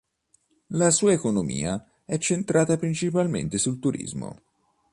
La sua economia è centrata principalmente sul turismo.